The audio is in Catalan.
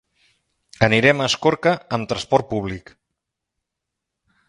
Anirem a Escorca amb transport públic.